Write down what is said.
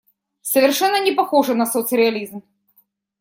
Совершенно не похоже на соцреализм.